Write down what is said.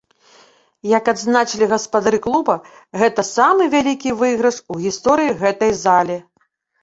Як адзначылі гаспадары клуба, гэта самы вялікі выйгрыш у гісторыі гэтай зале.